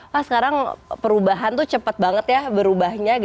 pak sekarang perubahan tuh cepet banget ya berubahnya